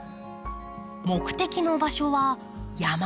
目的の場所は山の中。